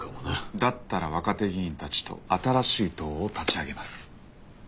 だったら若手議員たちと新しい党を立ち上げます。